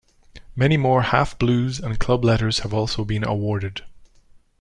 Many more half blues and club letters have also been awarded.